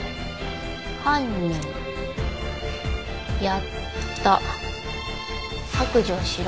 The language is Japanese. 「犯人」「やった」「白状しろ」。